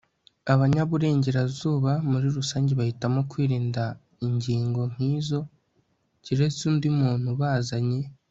Abanyaburengerazuba muri rusange bahitamo kwirinda ingingo nkizo keretse undi muntu ubazanye